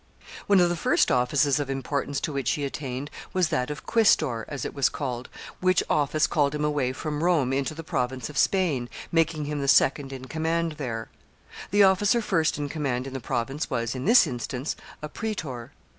] One of the first offices of importance to which he attained was that of quaestor, as it was called, which office called him away from Rome into the province of Spain, making him the second in command there. The officer first in command in the province was, in this instance, a praetor.